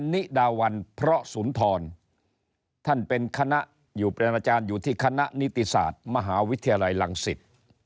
อนิดาวัลพศุนธรท่านเป็นคณะเป็นอาจารย์อยู่ที่คณะนิติศาสตร์มหาวิทยาลัยลังศิษฐภ์